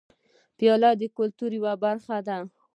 پیاله د کلتور یوه برخه ده.